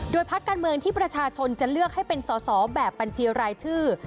พักการเมืองที่ประชาชนจะเลือกให้เป็นสอสอแบบบัญชีรายชื่อ